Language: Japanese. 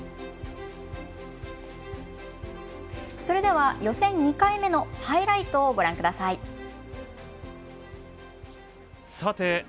それでは予選２回目のハイライトをご覧ください。